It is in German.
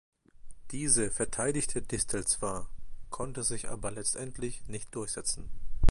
Diese verteidigte Distel zwar, konnte sich aber letztendlich nicht durchsetzen.